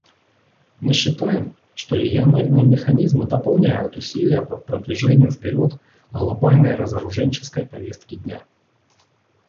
Мы считаем, что региональные механизмы дополняют усилия по продвижению вперед глобальной разоруженческой повестки дня.